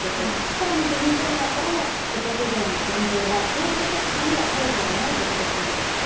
さらに自民党内からも、所得税の減税は低所得者には効果がないと指摘があります。